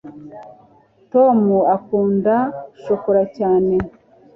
tom akunda shokora cyane